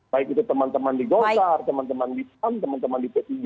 baik itu teman teman di golkar teman teman di pan teman teman di p tiga